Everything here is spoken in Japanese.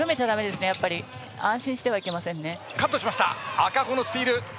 赤穂のスティール。